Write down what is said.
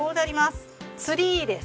ツリーです。